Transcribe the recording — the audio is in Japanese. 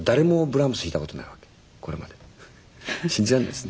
信じらんないですね。